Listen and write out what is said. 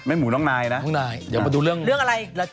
หมูน้องนายนะน้องนายเดี๋ยวมาดูเรื่องอะไร